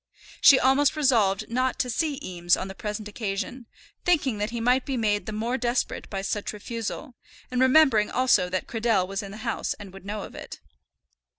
She almost resolved not to see Eames on the present occasion, thinking that he might be made the more desperate by such refusal, and remembering also that Cradell was in the house and would know of it.